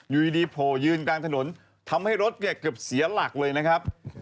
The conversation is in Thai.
อยู่ดีโผล่ยืนกลางถนนทำให้รถเนี่ยเกือบเสียหลักเลยนะครับ